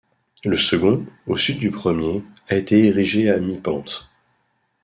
Le second, au sud du premier, a été érigé à mi-pente.